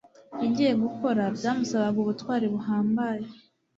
igiye gukora byamusabaga ubutwari buhambaye